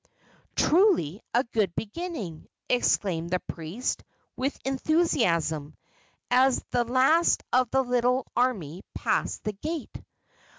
"Truly, a good beginning!" exclaimed the priest, with enthusiasm, as the last of the little army passed the gate.